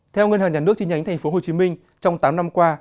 theo ngân hàng nhà nước chi nhánh tp hcm trong tám năm qua